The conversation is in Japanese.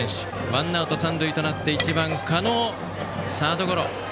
ワンアウト三塁となって１番、加納はサードゴロ。